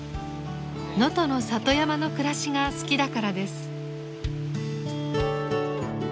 能登の里山の暮らしが好きだからです。